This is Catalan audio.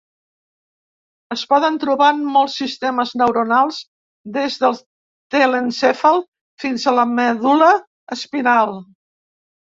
Es poden trobar en molts sistemes neuronals, des del telencèfal fins a la medul·la espinal.